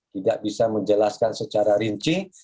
tidak bisa menjelaskan secara rinci